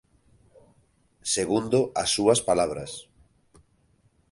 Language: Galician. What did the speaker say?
Segundo as súas palabras.